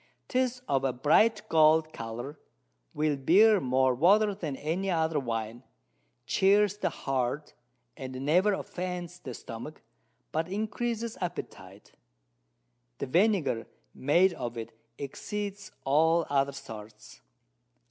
'Tis of a bright gold Colour, will bear more Water than any other Wine, chears the Heart, and never offends the Stomach, but increases Appetite. The Vinegar made of it exceeds all other sorts.